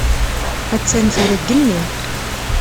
Ha-tt-an tura deg yigenni.